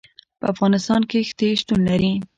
په افغانستان کې ښتې شتون لري.